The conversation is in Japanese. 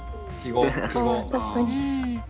あ確かに。